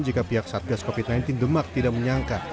jika pihak satgas covid sembilan belas demak tidak menyangka